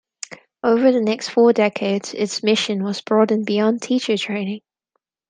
Over the next four decades, its mission was broadened beyond teacher training.